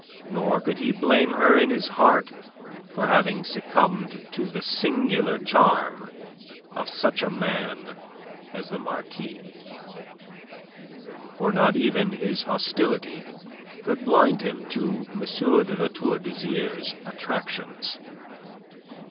Nor could he blame her in his heart for having succumbed to the singular charm of such a man as the Marquis for not even his hostility could blind him to M. de La Tour d'Azyr's attractions.